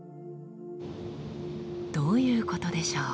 どういうことでしょう？